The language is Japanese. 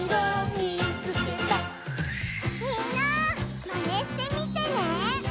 みんなマネしてみてね！